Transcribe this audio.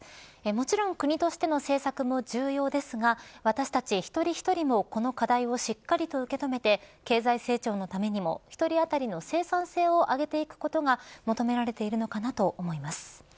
もちろん国としての政策も重要ですが、私たち一人一人もこの課題をしっかりと受け止めて経済成長のためにも１人当たりの生産性を上げていくことが求められているのかなと思います。